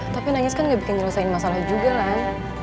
tapi nangis kan gak bikin nyelesain masalah juga kan